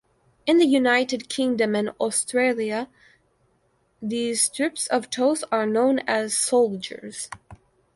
In the United Kingdom and Australia, these strips of toast are known as "soldiers".